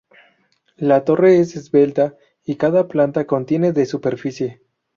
La torre es esbelta, y cada planta contiene de superficie.